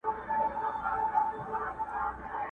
ښه عمل د لاري مل ضرب المثل دی.!